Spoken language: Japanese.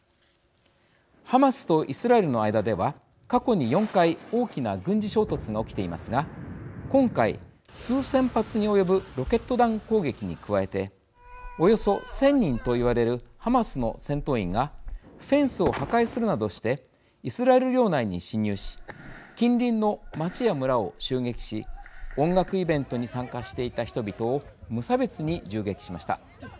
ハマスとイスラエルの間では過去に４回大きな軍事衝突が起きていますが今回数千発に及ぶロケット弾攻撃に加えておよそ１，０００人といわれるハマスの戦闘員がフェンスを破壊するなどしてイスラエル領内に侵入し近隣の町や村を襲撃し音楽イベントに参加していた人々を無差別に銃撃しました。